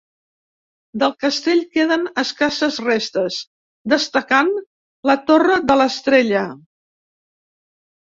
Del castell queden escasses restes, destacant la torre de l'Estrella.